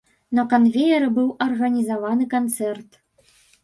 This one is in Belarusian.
На канвееры быў арганізаваны канцэрт.